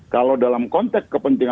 kalau dalam konteks kepentingan